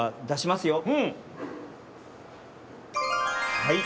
はい。